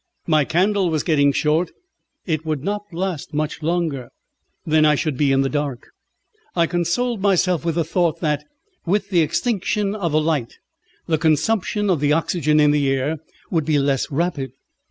My candle was getting short; it would not last much longer, and then I should be in the dark. I consoled myself with the thought that with the extinction of the light the consumption of the oxygen in the air would be less rapid.